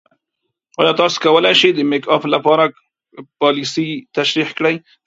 ایا تاسو کولی شئ د میک اپ کار لپاره پالیسۍ تشریح کړئ؟